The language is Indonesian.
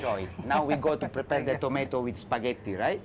sekarang kita akan menyiapkan tomat dengan spaghetti bukan